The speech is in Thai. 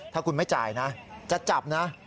ถ้าคุณไม่จ่ายนะจะจับนะ